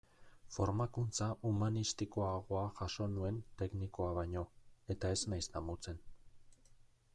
Formakuntza humanistikoagoa jaso nuen teknikoa baino, eta ez naiz damutzen.